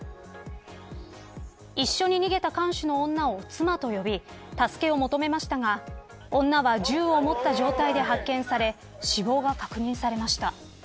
一緒に逃げた看守の女を妻と呼び助けを求めましたが、女は銃を持った状態で発見され死亡が確認されました。